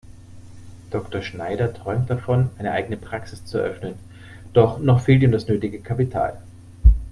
Dr. Schneider träumt davon, eine eigene Praxis zu eröffnen, doch noch fehlt ihm das nötige Kapital.